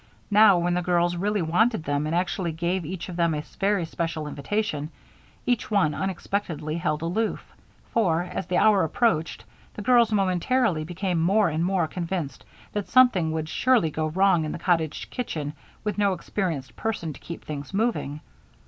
Now, when the girls really wanted them and actually gave each of them a very special invitation, each one unexpectedly held aloof. For, as the hour approached, the girls momentarily became more and more convinced that something would surely go wrong in the cottage kitchen with no experienced person to keep things moving.